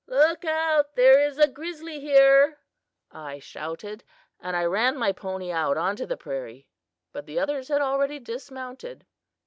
'Look out! there is a grizzly here,' I shouted, and I ran my pony out on to the prairie; but the others had already dismounted.